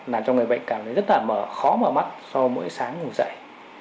là cho người bệnh cảm thấy rất là khó mở mắt sau mỗi sáng ngủ dậy